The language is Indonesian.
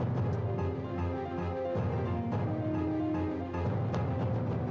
terima kasih baik tek kostum